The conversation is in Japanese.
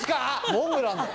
モンブランだよ。